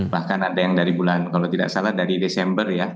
bahkan ada yang dari bulan kalau tidak salah dari desember ya